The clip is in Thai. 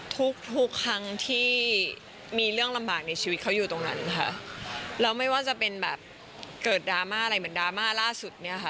ทุกทุกครั้งที่มีเรื่องลำบากในชีวิตเขาอยู่ตรงนั้นค่ะแล้วไม่ว่าจะเป็นแบบเกิดดราม่าอะไรเหมือนดราม่าล่าสุดเนี่ยค่ะ